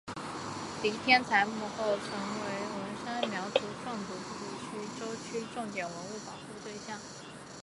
黎天才墓后来成为文山壮族苗族自治州州级重点文物保护单位。